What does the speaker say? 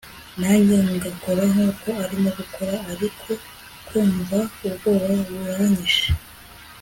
nanjye ngakora nkuko arimo gukora ariko kumva ubwoba buranyishe